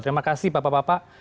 terima kasih bapak bapak